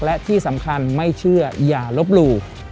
และที่สำคัญไม่เชื่ออย่าลบหลู่